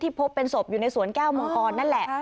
พบเป็นศพอยู่ในสวนแก้วมังกรนั่นแหละ